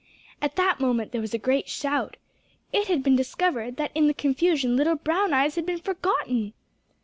At that moment there was a great shout. It had been discovered that in the confusion little Brown eyes had been forgotten!